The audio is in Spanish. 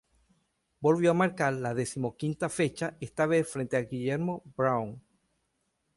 Volvió a marcar en la decimoquinta fecha esta vez frente a Guillermo Brown.